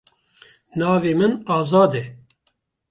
Navê min Azad e.